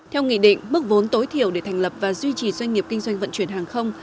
theo nghị định bức vốn tối thiểu để thành lập và duy trì doanh nghiệp kinh doanh vận chuyển hàng không